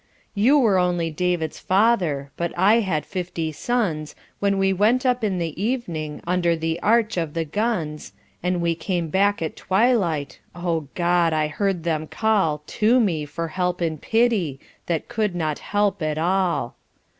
You were, only David's father, But I had fifty sons When we went up in the evening Under the arch of the guns, And we came back at twilight — O God ! I heard them call To me for help and pity That could not help at all.